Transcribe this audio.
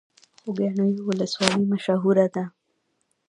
خوږیاڼیو ولسوالۍ مشهوره ده؟